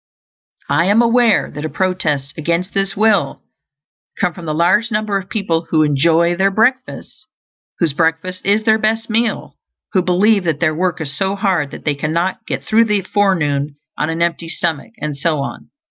I am aware that a protest against this will come from the large number of people who "enjoy" their breakfasts; whose breakfast is their "best meal"; who believe that their work is so hard that they cannot "get through the forenoon on an empty stomach," and so on.